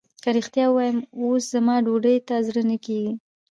که رښتيا ووايم اوس زما ډوډۍ ته زړه نه کېږي.